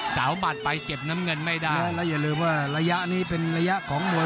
บัตรไปเก็บน้ำเงินไม่ได้แล้วอย่าลืมว่าระยะนี้เป็นระยะของมวย